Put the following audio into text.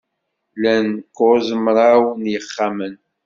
Llan kuẓ mraw n yexxamen